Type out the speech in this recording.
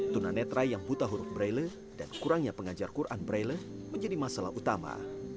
tunanetra yang buta huruf braille dan kurangnya pengajar quran braille menjadi masalah utama